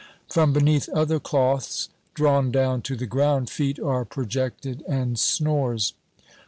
From beneath other cloths, drawn down to the ground, feet are projected, and snores.